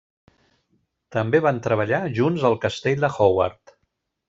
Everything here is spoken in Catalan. També van treballar junts al Castell de Howard.